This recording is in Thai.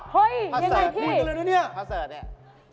เฮ่ยยังไงพี่ภาษาเสิร์ตพูดกันเลยนะนี่ภาษาเสิร์ตนี่